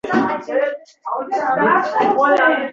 ikkala qo’limda ikkitadan setka, band.